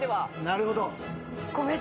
なるほど。